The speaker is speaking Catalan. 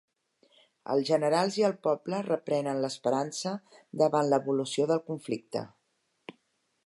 Els generals i el poble reprenen l'esperança davant l'evolució del conflicte.